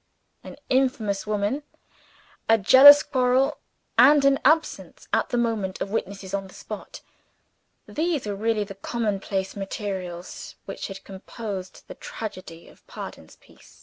An infamous woman; a jealous quarrel; and an absence at the moment of witnesses on the spot these were really the commonplace materials which had composed the tragedy of Pardon's Piece.